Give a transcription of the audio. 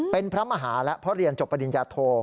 เป็นพระมหาและเพราะเรียนจบปริญญาโท